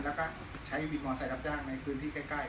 และก็ใช้วินวอร์ไซต์รับจ้างในพื้นที่ใกล้